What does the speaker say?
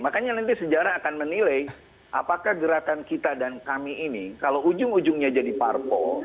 makanya nanti sejarah akan menilai apakah gerakan kita dan kami ini kalau ujung ujungnya jadi parpol